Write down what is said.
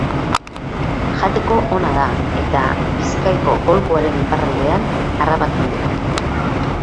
Jateko ona da eta Bizkaiko golkoaren iparraldean harrapatzen dute.